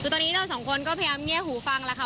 คือตอนนี้เราสองคนก็พยายามเงียบหูฟังแล้วค่ะ